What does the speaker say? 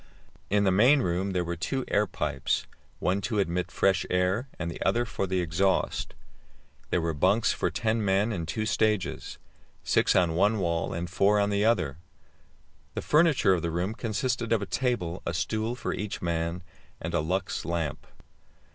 In the main room there were two air pipes, one to admit fresh air, the other for the exhaust. There were bunks for ten men in two stages, six on one wall and four on the other. The furniture of the room consisted of a table, a stool for each man, and a Lux lamp.